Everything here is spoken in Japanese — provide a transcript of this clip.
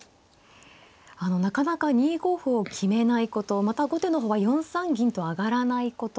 あのなかなか２五歩を決めないことまた後手の方は４三銀と上がらないこと。